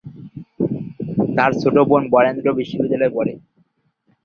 তার ছোট বোন বরেন্দ্র বিশ্ববিদ্যালয়ে পড়ে।